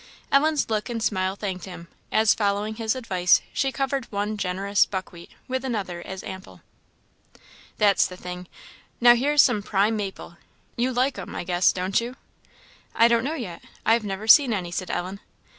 Ellen's look and smile thanked him, as, following his advice, she covered one generous "buckwheat" with another as ample. "That's the thing! Now, here's some prime maple. You like 'em, I guess, don't you?" "I don't know, yet I have never seen any," said Ellen.